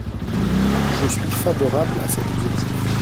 Je suis favorable à cet objectif.